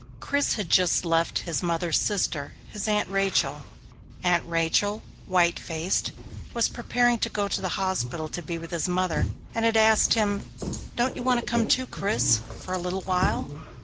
Chris had just left his mother's sister, his Aunt Rachel. Aunt Rachel, white faced, was preparing to go to the hospital to be with his mother and had asked him, "Don't you want to come too, Chris? For a little while?"